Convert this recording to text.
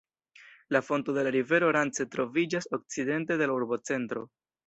La fonto de la rivero Rance troviĝas okcidente de la urbocentro.